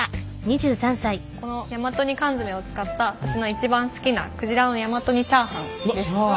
この大和煮缶詰を使った私の一番好きな鯨の大和煮チャーハンです。